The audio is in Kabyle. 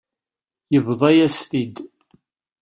Yebḍa-yas-t-id.